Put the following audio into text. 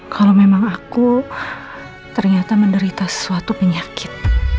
kalau memang aku ternyata menderita suatu penyakit